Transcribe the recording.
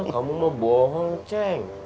kamu mah bohong cenk